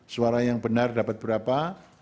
suara yang benar dapat berapa